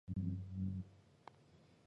孩子渐渐长大